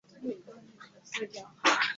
南面有两层高卵形学术报告厅。